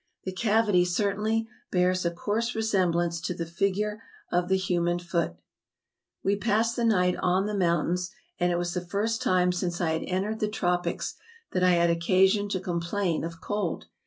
The cavity certainly bears a coarse resemblance to the figure of the human foot. We passed the night on the mountains; and it was the first time since I had entered the tropics that I had occasion to complain of cold.